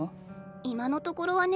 今のところはね。